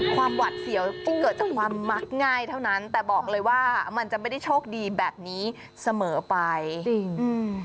หวัดเสียวที่เกิดจากความมักง่ายเท่านั้นแต่บอกเลยว่ามันจะไม่ได้โชคดีแบบนี้เสมอไปจริงอืม